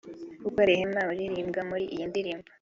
kuko Rehema uririmbwa muri iyi ndirimbo